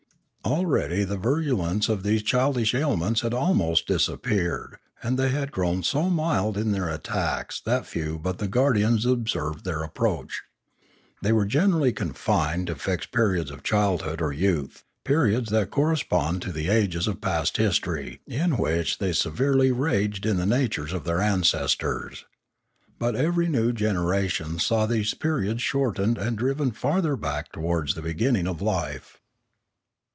Already the virulence of these childish ailments had almost disap peared and they had grown so mild in their attacks that few but the guardians observed their approach. They were generally confined to fixed periods of childhood or youth, periods that corresponded to the ages of past history in which they severally raged in the natures of their ancestors. But every new generation saw these periods shortened and driven farther back towards the beginning of life.